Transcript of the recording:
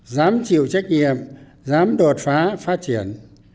dám chịu trách nhiệm dám đột phá phát triển